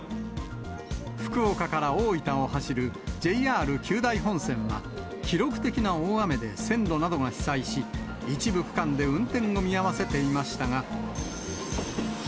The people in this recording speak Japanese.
福岡から大分を走るＪＲ久大本線は、記録的な大雨で線路などが被災し、一部区間で運転を見合わせていましたが。